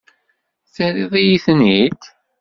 Terriḍ-iyi-ten-id?